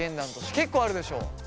結構あるでしょ？